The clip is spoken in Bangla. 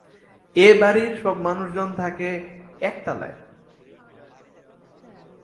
এ-বাড়ির সব মানুষজন থাকে একতলায়।